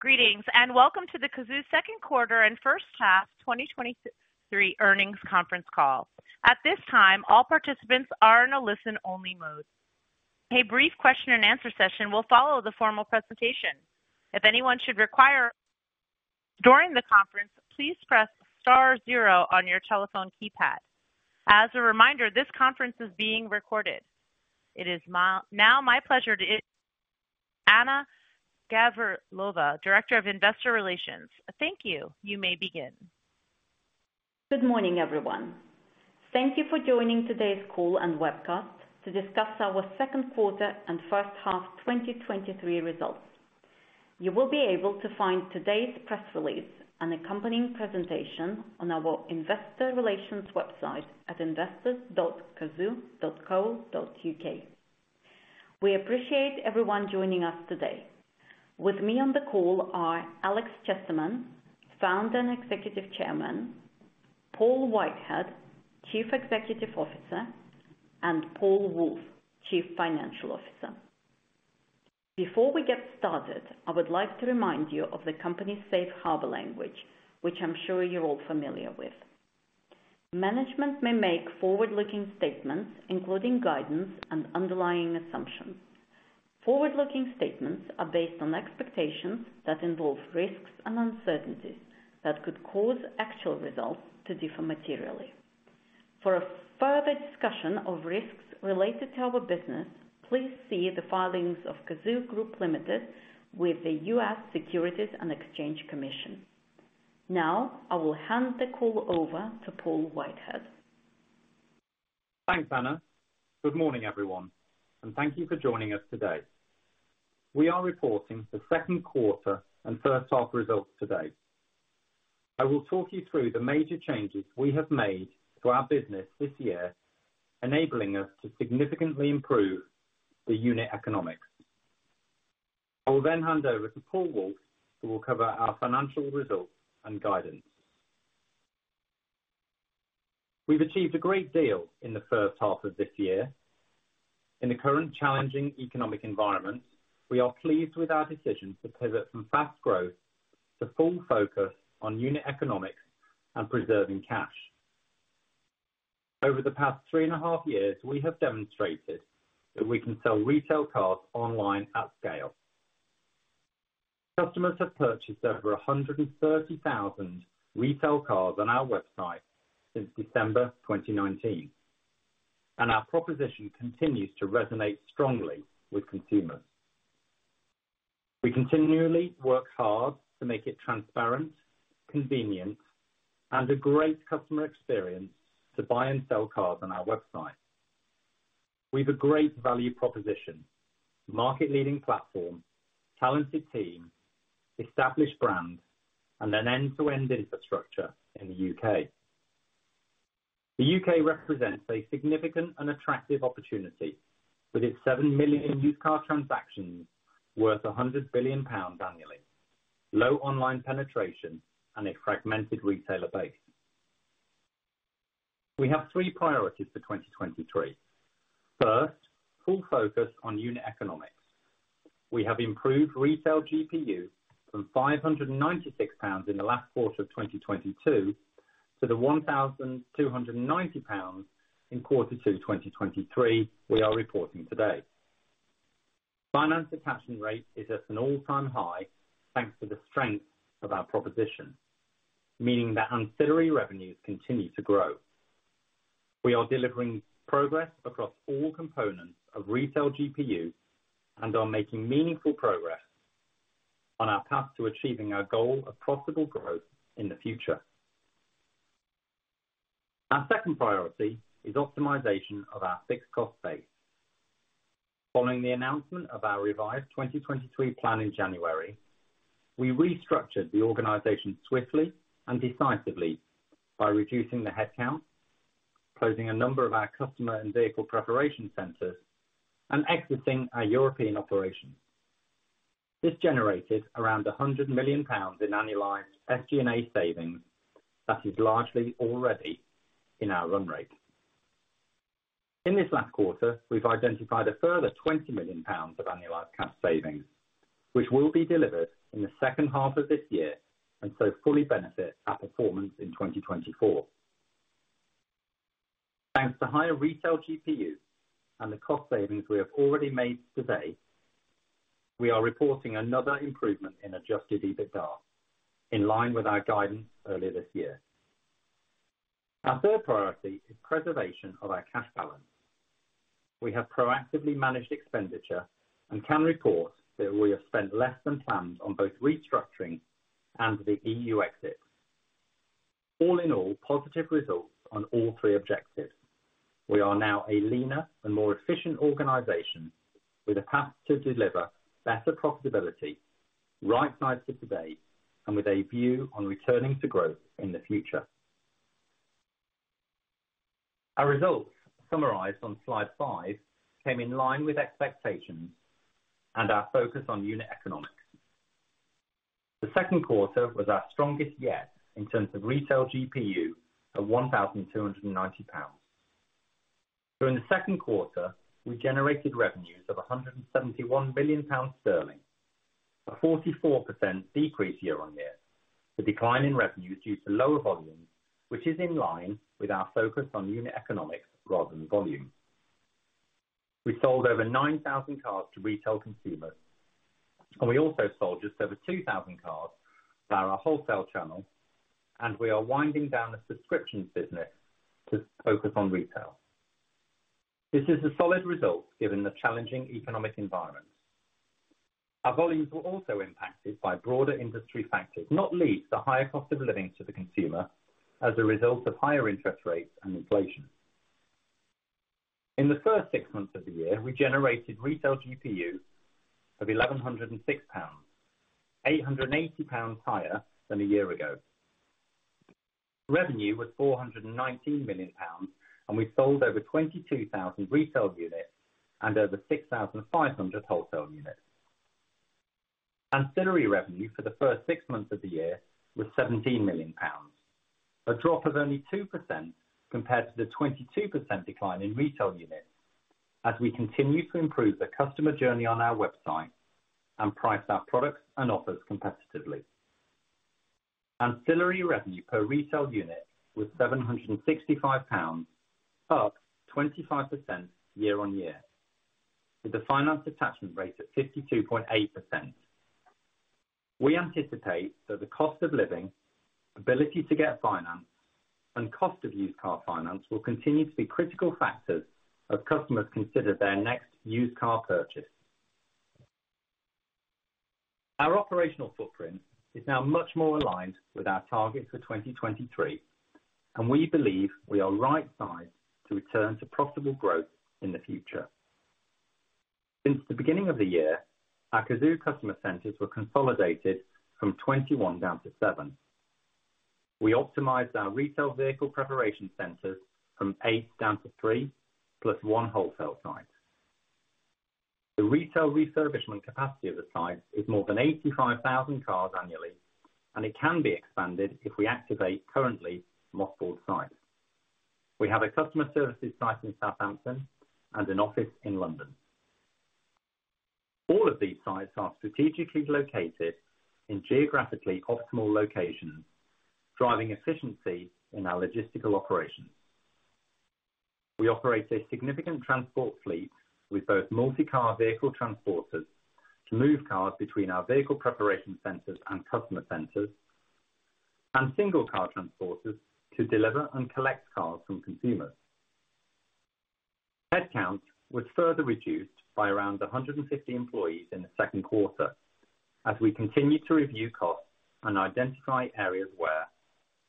Greetings and welcome to the Cazoo Q2 and H1 2023 earnings conference call. At this time, all participants are in a listen-only mode. A brief question and answer session will follow the formal presentation. If anyone should require during the conference, please press star zero on your telephone keypad. As a reminder, this conference is being recorded. It is now my pleasure in... to Anna Gavrilova, Director of Investor Relations. Thank you. You may begin. Good morning, everyone. Thank you for joining today's call and webcast to discuss our Q2 and H1 2023 results. You will be able to find today's press release and accompanying presentation on our investor relations website at investors.cazoo.co.uk. We appreciate everyone joining us today. With me on the call are Alex Chesterman, Founder and Executive Chairman, Paul Whitehead, Chief Executive Officer, and Paul Woolf, Chief Financial Officer. Before we get started, I would like to remind you of the company's safe harbor language, which I'm sure you're all familiar with. Management may make forward-looking statements, including guidance and underlying assumptions. Forward-looking statements are based on expectations that involve risks and uncertainties that could cause actual results to differ materially. For a further discussion of risks related to our business, please see the filings of Cazoo Group Ltd with the U.S. Securities and Exchange Commission. Now, I will hand the call over to Paul Whitehead. Thanks, Anna. Good morning, everyone, and thank you for joining us today. We are reporting the Q2 and H1 results today. I will talk you through the major changes we have made to our business this year, enabling us to significantly improve the unit economics. I will hand over to Paul Woolf, who will cover our financial results and guidance. We've achieved a great deal in the H1 of this year. In the current challenging economic environment, we are pleased with our decision to pivot from fast growth to full focus on unit economics and preserving cash. Over the past 3.5 years, we have demonstrated that we can sell retail cars online at scale. Customers have purchased over 130,000 retail cars on our website since December 2019, and our proposition continues to resonate strongly with consumers. We continually work hard to make it transparent, convenient, and a great customer experience to buy and sell cars on our website. We have a great value proposition, market-leading platform, talented team, established brand, and an end-to-end infrastructure in the UK. The UK represents a significant and attractive opportunity with its seven million used car transactions worth 100 billion pounds annually, low online penetration, and a fragmented retailer base. We have three priorities for 2023. First, full focus on unit economics. We have improved Retail GPU from 596 pounds in the last quarter of 2022 to the 1,290 pounds in Q2 2023 we are reporting today. Finance attachment rate is at an all-time high, thanks to the strength of our proposition, meaning that ancillary revenues continue to grow. We are delivering progress across all components of Retail GPU and are making meaningful progress on our path to achieving our goal of profitable growth in the future. Our second priority is optimization of our fixed cost base. Following the announcement of our revised 2023 plan in January, we restructured the organization swiftly and decisively by reducing the headcount, closing a number of our customer and vehicle preparation centers, and exiting our European operation. This generated around 100 million pounds in annualized SG&A savings that is largely already in our run rate. In this last quarter, we've identified a further 20 million pounds of annualized cost savings, which will be delivered in the H2 of this year, and so fully benefit our performance in 2024. Thanks to higher Retail GPU and the cost savings we have already made today, we are reporting another improvement in Adjusted EBITDA, in line with our guidance earlier this year. Our third priority is preservation of our cash balance. We have proactively managed expenditure and can report that we have spent less than planned on both restructuring and the EU exit. All in all, positive results on all three objectives. We are now a leaner and more efficient organization with a path to deliver better profitability, right-sized for today, and with a view on returning to growth in the future. Our results, summarized on slide 5, came in line with expectations and our focus on unit economics. The Q2 was our strongest yet in terms of Retail GPU of 1,290 pounds. In the Q2, we generated revenues of 171 billion sterling, a 44% decrease year-on-year. The decline in revenue is due to lower volumes, which is in line with our focus on unit economics rather than volume. We sold over 9,000 cars to retail consumers, and we also sold just over 2,000 cars via our wholesale channel, and we are winding down the subscriptions business to focus on retail. This is a solid result, given the challenging economic environment. Our volumes were also impacted by broader industry factors, not least the higher cost of living to the consumer as a result of higher interest rates and inflation. In the first six months of the year, we generated Retail GPU of 1,106 pounds, 880 pounds higher than a year ago. Revenue was 419 million pounds. We sold over 22,000 retail units and over 6,500 wholesale units. Ancillary revenue for the first six months of the year was 17 million pounds, a drop of only 2% compared to the 22% decline in retail units, as we continue to improve the customer journey on our website and price our products and offers competitively. Ancillary revenue per retail unit was 765 pounds, up 25% year-on-year, with the finance attachment rate at 52.8%. We anticipate that the cost of living, ability to get finance, and cost of used car finance will continue to be critical factors as customers consider their next used car purchase. Our operational footprint is now much more aligned with our targets for 2023, and we believe we are right sized to return to profitable growth in the future. Since the beginning of the year, our Cazoo customer centers were consolidated from 21 down to seven. We optimized our retail vehicle preparation centers from eight down to three, plus one wholesale site. The retail refurbishment capacity of the site is more than 85,000 cars annually, and it can be expanded if we activate currently mothballed sites. We have a customer services site in Southampton and an office in London. All of these sites are strategically located in geographically optimal locations, driving efficiency in our logistical operations. We operate a significant transport fleet with both multi-car vehicle transporters to move cars between our vehicle preparation centers and customer centers, and single car transporters to deliver and collect cars from consumers. Headcount was further reduced by around 150 employees in the Q2 as we continued to review costs and identify areas where,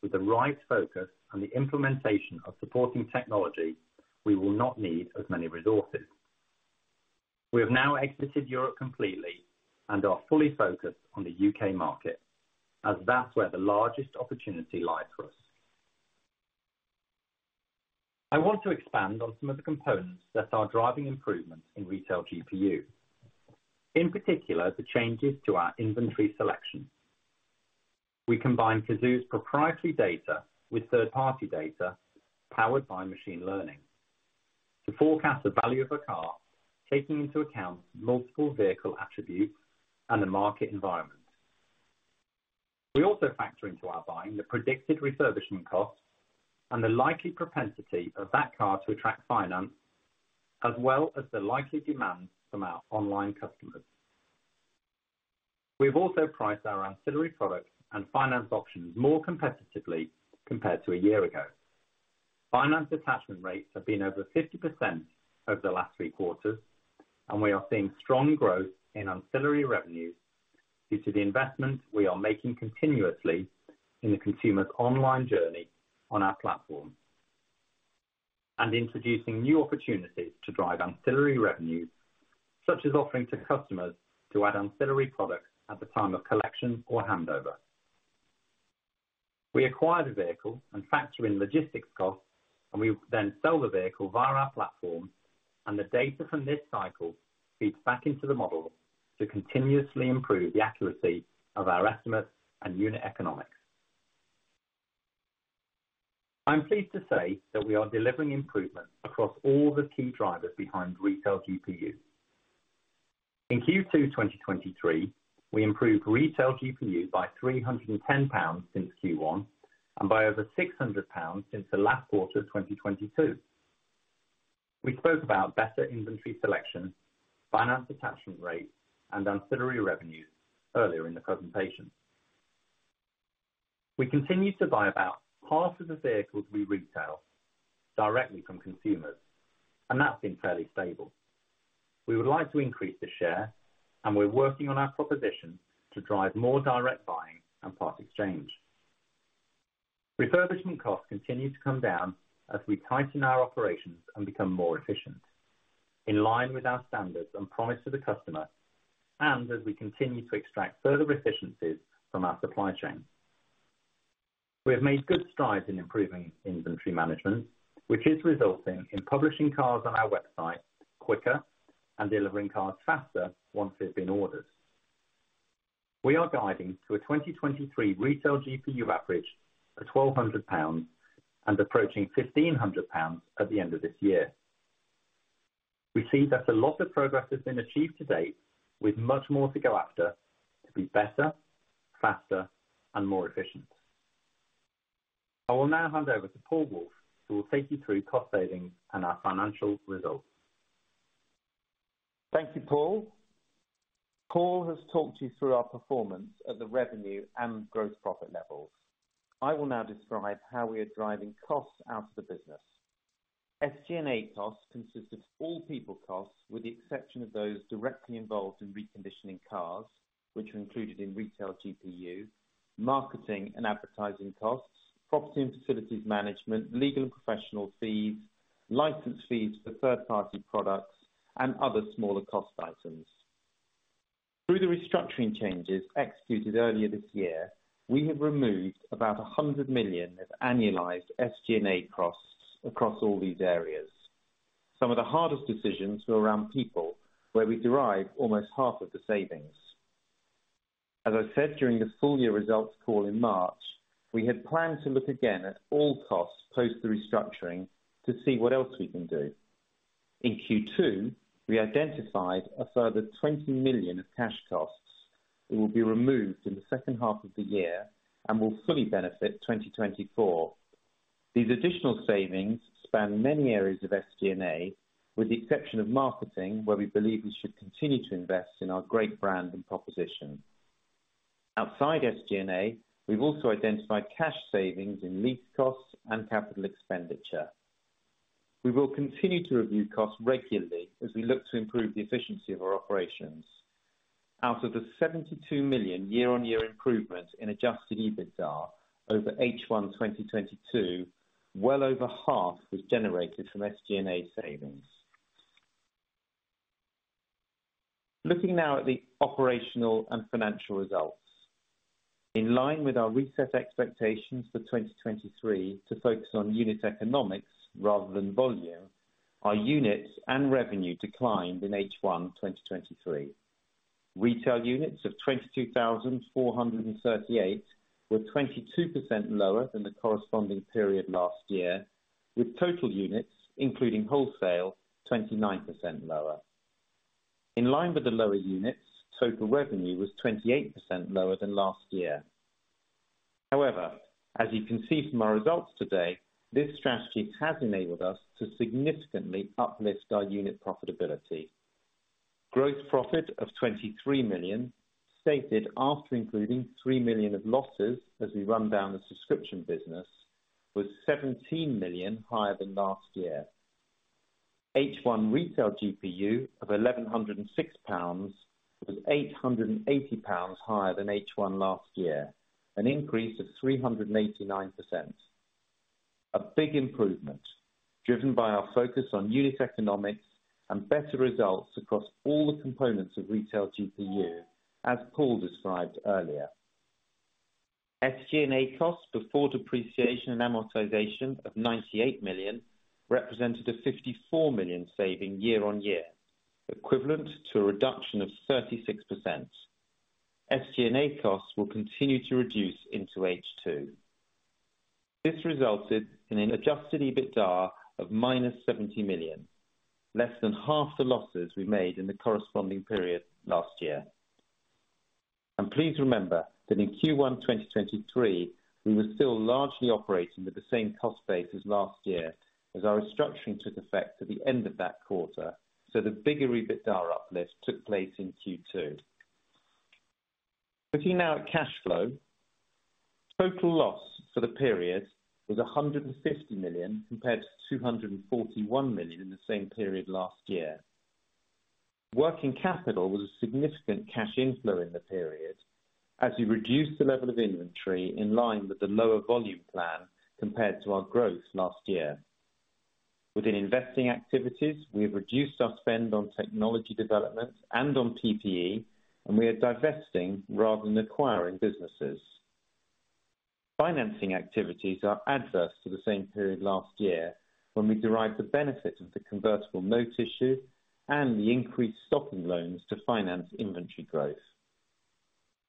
with the right focus and the implementation of supporting technology, we will not need as many resources. We have now exited Europe completely and are fully focused on the UK market, as that's where the largest opportunity lies for us. I want to expand on some of the components that are driving improvement in Retail GPU, in particular, the changes to our inventory selection. We combine Cazoo's proprietary data with third-party data, powered by machine learning, to forecast the value of a car, taking into account multiple vehicle attributes and the market environment. We also factor into our buying the predicted refurbishment costs and the likely propensity of that car to attract finance, as well as the likely demand from our online customers. We have also priced our ancillary products and finance options more competitively compared to a year ago. Finance attachment rates have been over 50% over the last three quarters, and we are seeing strong growth in ancillary revenues due to the investments we are making continuously in the consumer's online journey on our platform, and introducing new opportunities to drive ancillary revenues, such as offering to customers to add ancillary products at the time of collection or handover. We acquire the vehicle and factor in logistics costs, and we then sell the vehicle via our platform, and the data from this cycle feeds back into the model to continuously improve the accuracy of our estimates and unit economics. I'm pleased to say that we are delivering improvements across all the key drivers behind Retail GPU. In Q2 2023, we improved Retail GPU by 310 pounds since Q1, and by over 600 pounds since the last quarter of 2022. We spoke about better inventory selection, finance attachment rates, and ancillary revenues earlier in the presentation. We continue to buy about half of the vehicles we retail directly from consumers, and that's been fairly stable. We would like to increase the share, and we're working on our proposition to drive more direct buying and part exchange. Refurbishment costs continue to come down as we tighten our operations and become more efficient, in line with our standards and promise to the customer, and as we continue to extract further efficiencies from our supply chain. We have made good strides in improving inventory management, which is resulting in publishing cars on our website quicker and delivering cars faster once they've been ordered. We are guiding to a 2023 Retail GPU average of 1,200 pounds and approaching 1,500 pounds at the end of this year. We see that a lot of progress has been achieved to date, with much more to go after, to be better, faster, and more efficient. I will now hand over to Paul Woolf, who will take you through cost savings and our financial results. Thank you, Paul. Paul has talked you through our performance at the revenue and growth profit level. I will now describe how we are driving costs out of the business. SG&A costs consists of all people costs, with the exception of those directly involved in reconditioning cars, which are included in Retail GPU, marketing and advertising costs, property and facilities management, legal and professional fees, license fees for third-party products, and other smaller cost items. Through the restructuring changes executed earlier this year, we have removed about 100 million of annualized SG&A costs across all these areas. Some of the hardest decisions were around people, where we derived almost half of the savings. As I said, during the full year results call in March, we had planned to look again at all costs post the restructuring to see what else we can do. In Q2, we identified a further 20 million of cash costs that will be removed in the H2 of the year and will fully benefit 2024. These additional savings span many areas of SG&A, with the exception of marketing, where we believe we should continue to invest in our great brand and proposition. Outside SG&A, we've also identified cash savings in lease costs and capital expenditure. We will continue to review costs regularly as we look to improve the efficiency of our operations. Out of the 72 million year-on-year improvement in Adjusted EBITDA over H1 2022, well over half was generated from SG&A savings. Looking now at the operational and financial results. In line with our reset expectations for 2023, to focus on unit economics rather than volume, our units and revenue declined in H1 2023. Retail units of 22,438 were 22% lower than the corresponding period last year, with total units, including wholesale, 29% lower. In line with the lower units, total revenue was 28% lower than last year. This strategy has enabled us to significantly uplift our unit profitability. Gross profit of 23 million, stated after including 3 million of losses as we run down the subscription business, was 17 million higher than last year. H1 Retail GPU of 1,106 pounds was 880 pounds higher than H1 last year, an increase of 389%. A big improvement driven by our focus on unit economics and better results across all the components of Retail GPU, as Paul described earlier. SG&A costs before depreciation and amortization of 98 million represented a 54 million saving year-on-year, equivalent to a reduction of 36%. SG&A costs will continue to reduce into H2. This resulted in an Adjusted EBITDA of minus 70 million, less than half the losses we made in the corresponding period last year. Please remember that in Q1 2023, we were still largely operating with the same cost base as last year, as our restructuring took effect at the end of that quarter, so the bigger EBITDA uplift took place in Q2. Looking now at cash flow. Total loss for the period was 150 million, compared to 241 million in the same period last year. Working capital was a significant cash inflow in the period, as we reduced the level of inventory in line with the lower volume plan compared to our growth last year. Within investing activities, we've reduced our spend on technology development and on PPE, and we are divesting rather than acquiring businesses. Financing activities are adverse to the same period last year, when we derived the benefit of the convertible note issue and the increased stocking loans to finance inventory growth.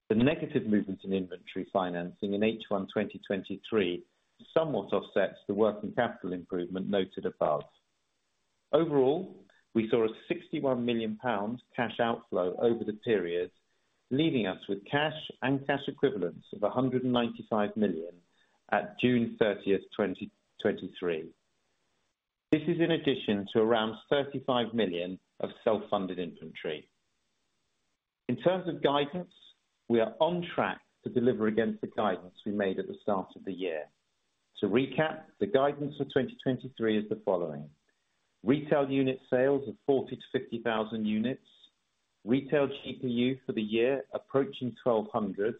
The negative movement in inventory financing in H1 2023 somewhat offsets the working capital improvement noted above. Overall, we saw a 61 million pound cash outflow over the period, leaving us with cash and cash equivalents of 195 million at 30 June 2023. This is in addition to around 35 million of self-funded inventory. In terms of guidance, we are on track to deliver against the guidance we made at the start of the year. To recap, the guidance for 2023 is the following: retail unit sales of 40,000-50,000 units, retail GPU for the year approaching 1,200,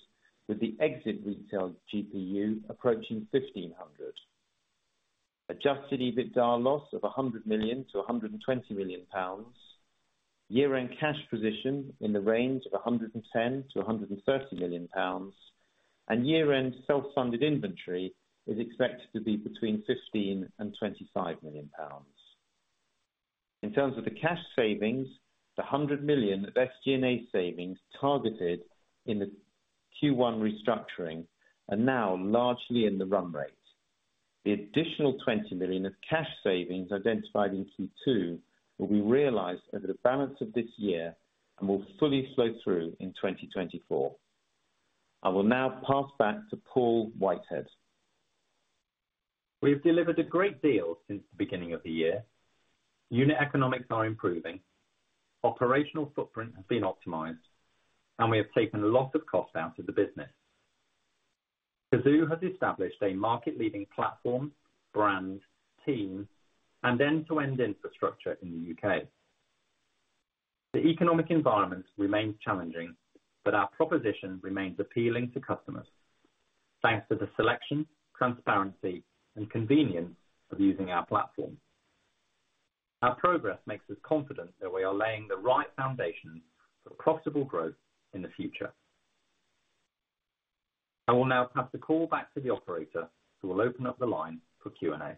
with the exit retail GPU approaching 1,500, adjusted EBITDA loss of 100 million-120 million pounds, year-end cash position in the range of 110 million-130 million pounds, and year-end self-funded inventory is expected to be between 15 million and 25 million pounds. In terms of the cash savings, the 100 million of SG&A savings targeted in the Q1 restructuring are now largely in the run rate. The additional 20 million of cash savings identified in Q2 will be realized over the balance of this year and will fully flow through in 2024. I will now pass back to Paul Whitehead. We have delivered a great deal since the beginning of the year. Unit economics are improving, operational footprint has been optimized, and we have taken a lot of cost out of the business. Cazoo has established a market-leading platform, brand, team, and end-to-end infrastructure in the UK. The economic environment remains challenging, but our proposition remains appealing to customers, thanks to the selection, transparency, and convenience of using our platform. Our progress makes us confident that we are laying the right foundation for profitable growth in the future. I will now pass the call back to the operator, who will open up the line for Q&A.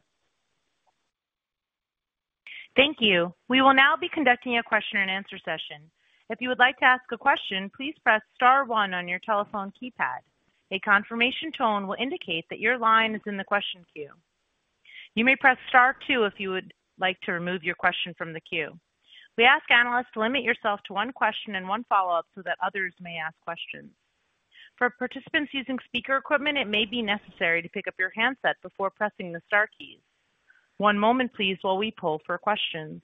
Thank you. We will now be conducting a question and answer session. If you would like to ask a question, please press star one on your telephone keypad. A confirmation tone will indicate that your line is in the question queue. You may press star two if you would like to remove your question from the queue. We ask analysts to limit yourself to one question and one follow-up so that others may ask questions. For participants using speaker equipment, it may be necessary to pick up your handset before pressing the star keys. One moment, please, while we poll for questions.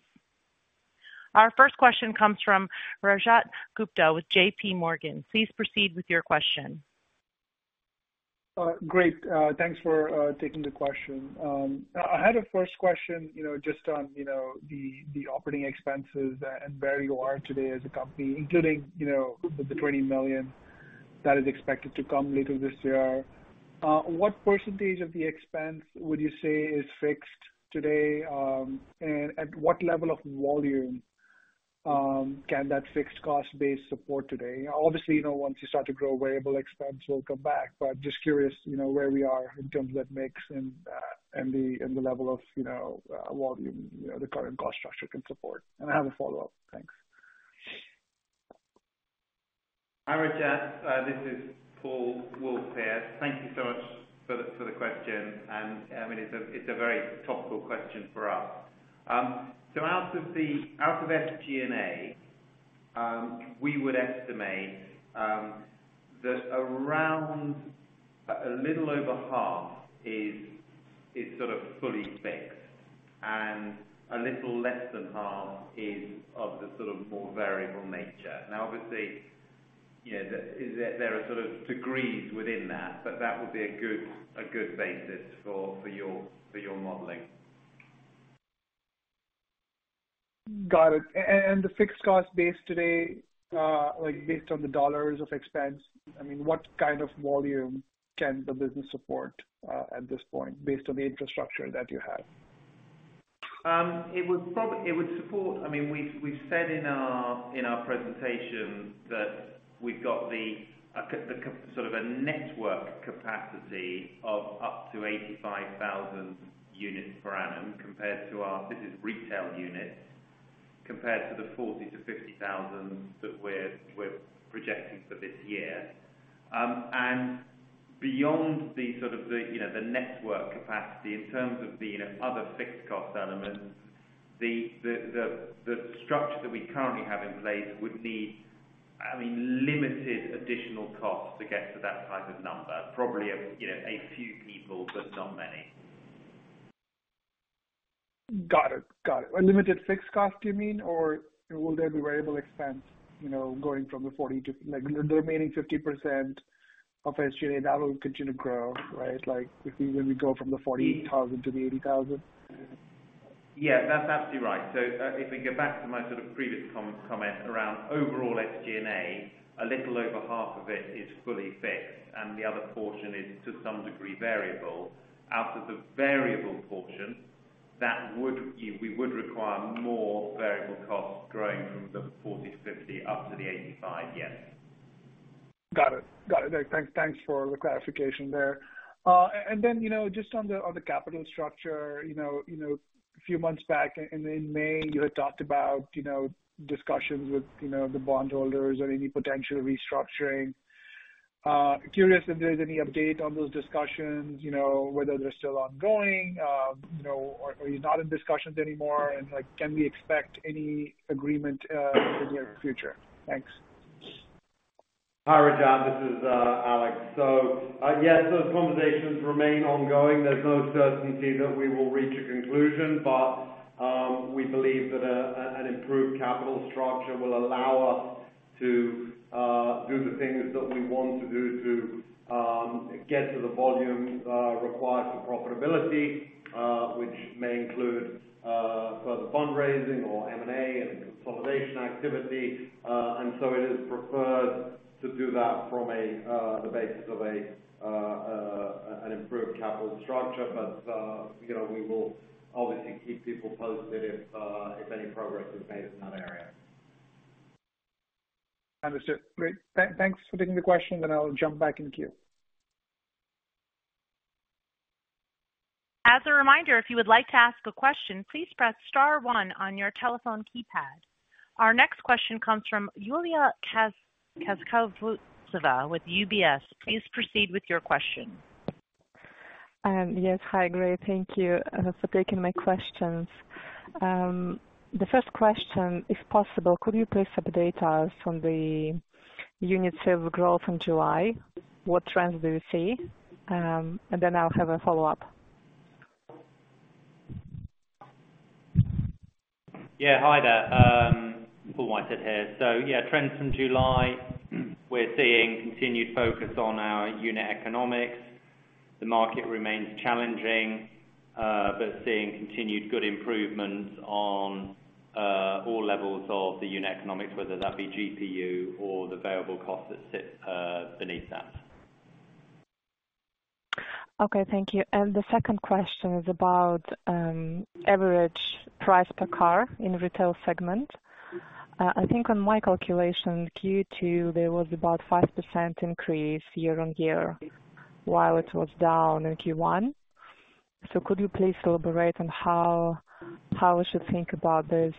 Our first question comes from Rajat Gupta with JPMorgan. Please proceed with your question. Great. Thanks for taking the question. I had a first question, you know, just on, you know, the operating expenses and where you are today as a company, including, you know, the 20 million that is expected to come later this year. What percentage of the expense would you say is fixed today, and at what level of volume can that fixed cost base support today? Obviously, you know, once you start to grow, variable expense will come back, but just curious, you know, where we are in terms of that mix and the level of, you know, volume, you know, the current cost structure can support. I have a follow-up. Thanks. Hi, Rajat. This is Paul Woolf here. Thank you so much for the question. I mean, it's a very topical question for us. Out of SG&A, we would estimate that around a little over half is sort of fully fixed and a little less than half is of the sort of more variable nature. Obviously, you know, there are sort of degrees within that, but that would be a good, a good basis for your, for your modeling. Got it. The fixed cost base today, like based on the GBP of expense, I mean, what kind of volume can the business support, at this point, based on the infrastructure that you have? I mean, we've said in our, in our presentation that we've got the sort of a network capacity of up to 85,000 units per annum compared to our business retail units, compared to the 40,000-50,000 that we're, we're projecting for this year. Beyond the sort of the, you know, the network capacity in terms of the, you know, other fixed cost elements, the structure that we currently have in place would need, I mean, limited additional costs to get to that type of number. Probably, you know, a few people, but not many. Got it. Got it. A limited fixed cost, you mean, or will there be variable expense, you know, going from the 40 to, like, the remaining 50% of SG&A, that will continue to grow, right? Like, if we, when we go from the 40,000 to the 80,000. Yeah, that's absolutely right. If we go back to my sort of previous comment around overall SG&A, a little over half of it is fully fixed, and the other portion is to some degree, variable. Out of the variable portion, we would require more variable costs growing from the 40 to 50 up to the 85, yes. Got it. Got it. Thanks for the clarification there. Then, you know, just on the, on the capital structure, you know, a few months back in May, you had talked about, you know, discussions with the bondholders or any potential restructuring. Curious if there's any update on those discussions, you know, whether they're still ongoing or are you not in discussions anymore? Like, can we expect any agreement in the near future? Thanks. Hi, Rajat, this is Alex. Yes, those conversations remain ongoing. There's no certainty that we will reach a conclusion. We believe that an improved capital structure will allow us to do the things that we want to do to get to the volumes required for profitability, which may include further fundraising or M&A and consolidation activity. It is preferred to do that from the basis of an improved capital structure. You know, we will obviously keep people posted if any progress is made in that area. Understood. Great. Thanks for taking the question, I'll jump back in queue. As a reminder, if you would like to ask a question, please press star one on your telephone keypad. Our next question comes from Luliia Kazakovtseva with UBS. Please proceed with your question. Yes, hi, great. Thank you for taking my questions. The first question, if possible, could you please update us on the unit sales growth in July? What trends do you see? I'll have a follow-up. Yeah, hi there. Paul Whitehead here. Yeah, trends from July, we're seeing continued focus on our unit economics. The market remains challenging, but seeing continued good improvements on all levels of the unit economics, whether that be GPU or the variable cost that sits beneath that. Okay, thank you. The second question is about average price per car in retail segment. I think on my calculation, Q2, there was about 5% increase year-on-year, while it was down in Q1. Could you please elaborate on how, how we should think about this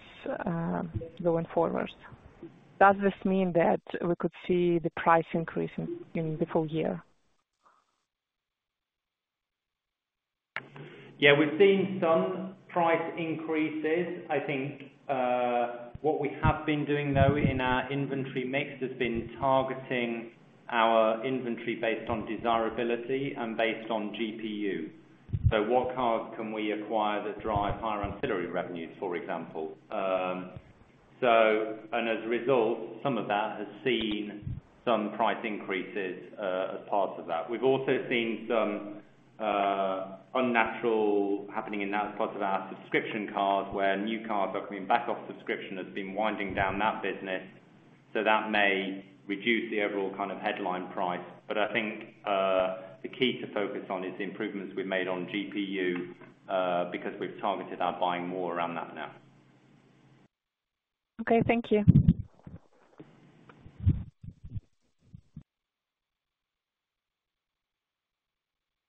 going forwards? Does this mean that we could see the price increase in the full year? Yeah, we've seen some price increases. I think what we have been doing, though, in our inventory mix, has been targeting our inventory based on desirability and based on GPU. What cars can we acquire that drive higher ancillary revenues, for example? As a result, some of that has seen some price increases as part of that. We've also seen some unnatural happening in that part of our subscription cars, where new cars are coming back off subscription, has been winding down that business, so that may reduce the overall kind of headline price. I think the key to focus on is the improvements we've made on GPU because we've targeted our buying more around that now. Okay, thank you.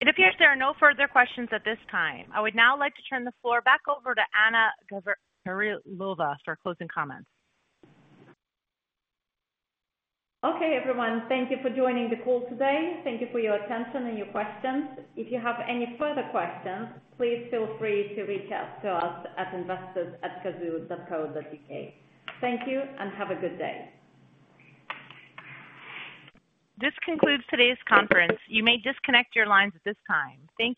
It appears there are no further questions at this time. I would now like to turn the floor back over to Anna Gavrilova for closing comments. Okay, everyone. Thank you for joining the call today. Thank you for your attention and your questions. If you have any further questions, please feel free to reach out to us at investors@cazoo.co.uk. Thank you, and have a good day. This concludes today's conference. You may disconnect your lines at this time. Thank you.